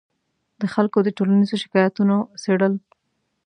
د خلکو د ټولیزو شکایتونو څېړل